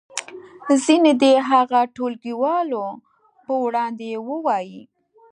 ځینې دې هغه ټولګیوالو په وړاندې ووایي.